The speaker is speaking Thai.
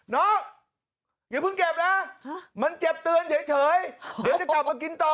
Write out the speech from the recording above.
น้องอย่าเพิ่งเก็บนะมันเก็บเตือนเฉยเดี๋ยวจะกลับมากินต่อ